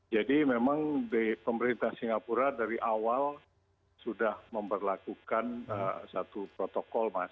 jadi memang di pemerintah singapura dari awal sudah memperlakukan satu protokol mas